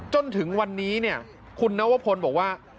จนถึงวันนี้คุณนวพพลบอกว่า